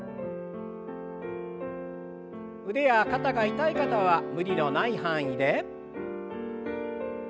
腕や肩が痛い方は無理のない範囲で。